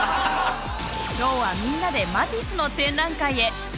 今日はみんなでマティスの展覧会へ！